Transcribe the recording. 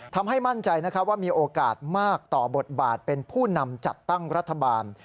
ทำให้มั่นใจว่ามีโอกาสมากต่อบทบาทเป็นผู้นำจัดตั้งรัฐบาล